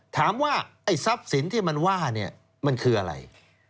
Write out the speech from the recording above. ถามว่าไอ้ทรัพย์สินที่มันว่าเนี่ยมันคืออะไร